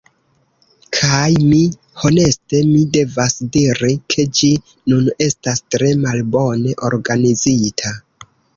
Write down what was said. Kaj mi… Honeste mi devas diri, ke ĝi nun estas tre malbone organizita.